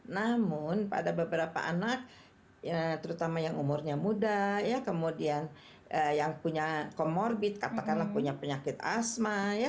namun pada beberapa anak terutama yang umurnya muda kemudian yang punya comorbid katakanlah punya penyakit asma